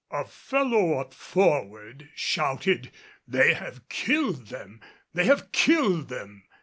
A fellow up forward shouted, "They have killed them! They have killed them!"